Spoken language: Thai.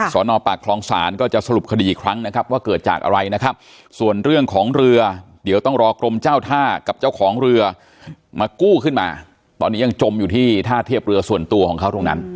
สอนอวกปากครองศาลก็จะสรุปคดีอีกครั้งนะครับว่าเกิดจากอะไรส่วนเรื่องของเรือเดียวต้องรอกรมเจ้าท่ากับเจ้าของเรือมากู้ขึ้นมา